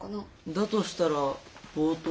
だとしたら冒頭は。